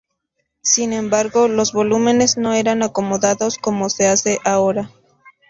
Sin embargo, los volúmenes no eran acomodados como se hace ahora.